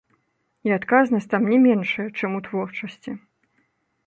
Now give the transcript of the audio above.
І адказнасць там не меншая, чым у творчасці.